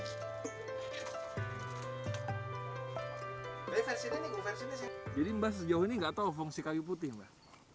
jadi mbah sejauh ini gak tahu fungsi kayu putih mbah